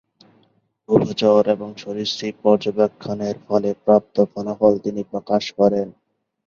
উভচর এবং সরীসৃপ পর্যবেক্ষণের ফলে প্রাপ্ত ফলাফল তিনি প্রকাশ করেন।